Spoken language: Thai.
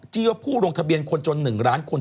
ว่าผู้ลงทะเบียนคนจน๑ล้านคน